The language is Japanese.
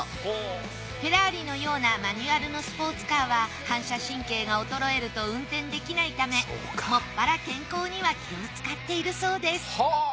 フェラーリのようなマニュアルのスポーツカーは反射神経が衰えると運転できないためもっぱら健康には気を使っているそうです